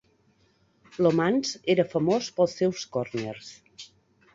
Lomans era famós pels seus corners.